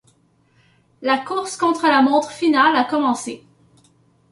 La course contre la montre finale a commencé.